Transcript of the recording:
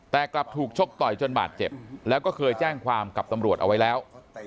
แต่กลับถูกชกต่อยจนบาดเจ็บแล้วก็เคยแจ้งความกับตำรวจเอาไว้แล้ว